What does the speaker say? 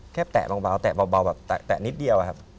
แค่แตะเบาแตะนิดเดียว